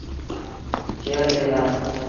ڇيڙ تي وهآ۔